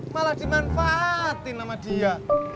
malah dimanfaatin sama dia